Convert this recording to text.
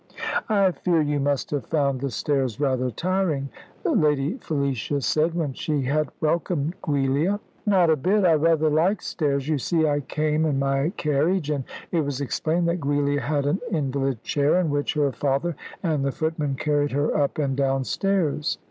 "I fear you must have found the stairs rather tiring," Lady Felicia said, when she had welcomed Giulia. "Not a bit. I rather like stairs. You see I came in my carriage," and it was explained that Giulia had an invalid chair on which her father and the footman carried her up and down stairs.